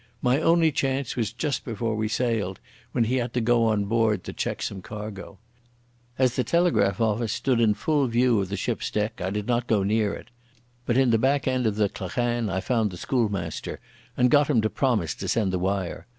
My only chance was just before we sailed, when he had to go on board to check some cargo. As the telegraph office stood full in view of the ship's deck I did not go near it. But in the back end of the clachan I found the schoolmaster, and got him to promise to send the wire.